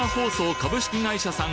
株式会社さん